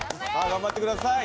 頑張って下さい！